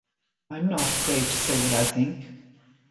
I'm not afraid to say what I think.